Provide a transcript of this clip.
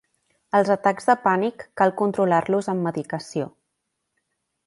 Els atacs de pànic cal controlar-los amb medicació.